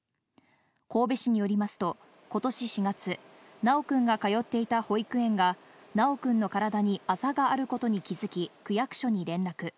神戸市によりますと、ことし４月、修くんが通っていた保育園が修くんの体にあざがあることに気づき、区役所に連絡。